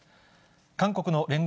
韓国の聯合